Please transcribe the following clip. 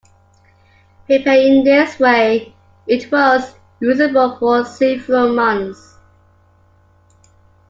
Prepared in this way, it was usable for several months.